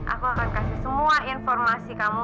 aku akan kasih semua informasi kamu